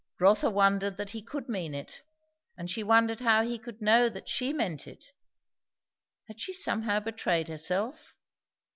Rotha wondered that he could mean it, and she wondered how he could know that she meant it. Had she somehow betrayed herself?